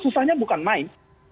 susahnya bukan main